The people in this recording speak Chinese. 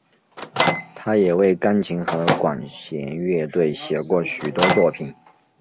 他也为钢琴和管弦乐队写过许多作品。